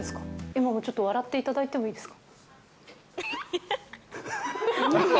今もちょっと笑っていただいてもいいですか？